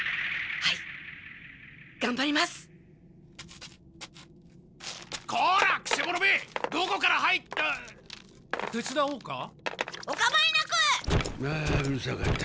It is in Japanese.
はあうるさかった。